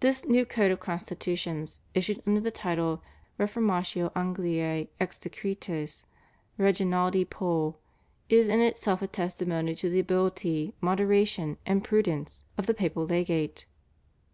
This new code of constitutions issued under the title /Reformatio Angliae ex decretis Reginaldi Pole/ is in itself a testimony to the ability, moderation, and prudence of the papal legate.